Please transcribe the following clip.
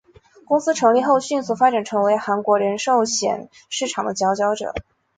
公司成立后迅速发展成为韩国人寿险市场的佼佼者。